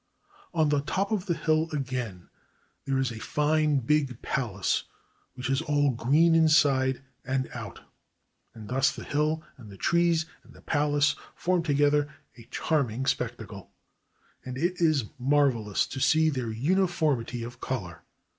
On the top of the hill again there is a fine big palace which is all green inside and out, and thus the hill and the trees and the palace form together a charming spectacle; and it is marvelous to see their uniformity of color!